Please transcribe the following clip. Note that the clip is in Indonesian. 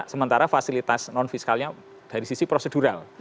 sementara fasilitas non fiskalnya dari sisi prosedural